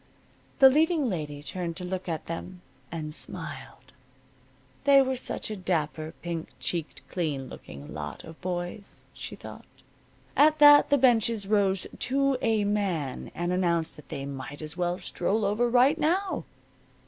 The leading lady turned to look at them, and smiled. They were such a dapper, pink cheeked, clean looking lot of boys, she thought. At that the benches rose to a man and announced that they might as well stroll over right now.